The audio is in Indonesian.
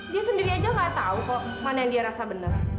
dia sendiri aja nggak tahu kok mana yang dia rasa benar